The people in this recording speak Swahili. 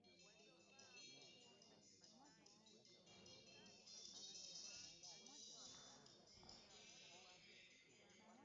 Weupe unaoashiria upungufu wa damu kwenye macho na mdomo ni dalili ya ndorobo